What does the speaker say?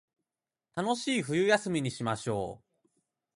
楽しい冬休みにしましょう